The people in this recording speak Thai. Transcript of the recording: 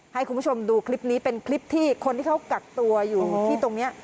ให้คุณผู้ชมดูคลิปนี้เป็นคลิปที่คนที่เขากักตัวอยู่ที่ตรงนี้